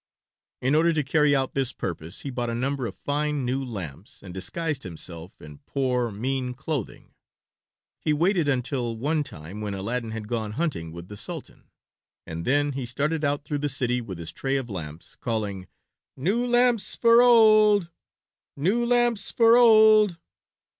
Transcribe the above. In order to carry out this purpose he bought a number of fine new lamps and disguised himself in poor, mean clothing. He waited until one time when Aladdin had gone hunting with the Sultan, and then he started out through the city with his tray of lamps, calling, "New lamps for old! New lamps for old!"